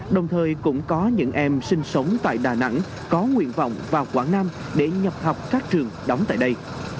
đồng thời cũng có những em sinh sống tại đà nẵng có nguyện vọng vào quảng nam để nhập học các trường đóng tại đây